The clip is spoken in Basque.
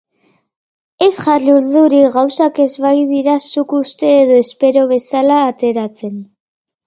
Ez jarri urduri gauzak ez badira zuk uste edo espero bezala ateratzen.